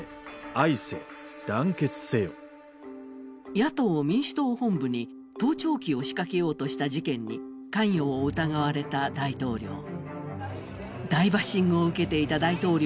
野党・民主党本部に盗聴器を仕掛けようとした事件に、関与を疑われた大統領。